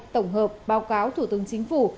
tổng hợp báo cáo thủ tướng chính phủ